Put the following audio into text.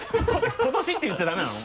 「今年」って言っちゃダメなの？